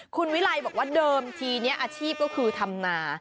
คุณวิไลบอกว่าเดิมทีนี้อาชีพก็คือทำนา